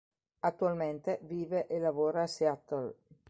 Attualmente vive e lavora a Seattle.